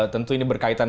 tentu ini berkaitan